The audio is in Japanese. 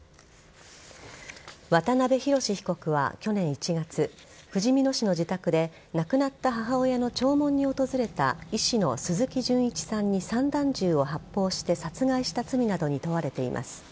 渡辺宏被告は、去年１月ふじみ野市の自宅で亡くなった母親の弔問に訪れた医師の鈴木純一さんに散弾銃を発砲して殺害した罪などに問われています。